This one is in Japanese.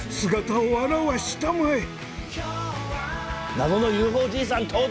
謎のＵＦＯじいさん登場！